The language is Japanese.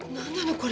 これ。